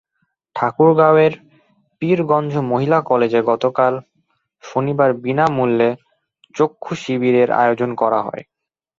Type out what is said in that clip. ঠাকুরগাঁওয়ের পীরগঞ্জ মহিলা কলেজে গতকাল শনিবার বিনা মূল্যে চক্ষুশিবিরের আয়োজন করা হয়।